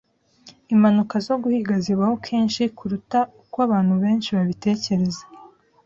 Impanuka zo guhiga zibaho kenshi kuruta uko abantu benshi babitekereza.